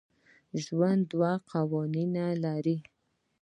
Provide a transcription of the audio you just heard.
ژوند دوه قوانین لري.